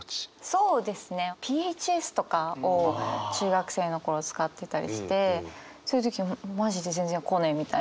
そうですねＰＨＳとかを中学生の頃使ってたりしてそういう時マジで全然来ねえみたいな。